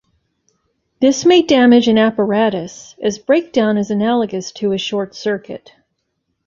This may damage an apparatus, as breakdown is analogous to a short circuit.